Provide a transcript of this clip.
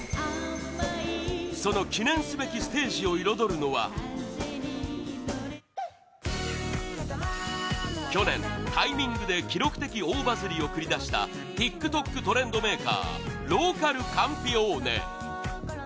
その記念すべきステージを彩るのは去年「Ｔｉｍｉｎｇ タイミング」で記録的大バズりを繰り出した ＴｉｋＴｏｋ トレンドメーカーローカルカンピオーネ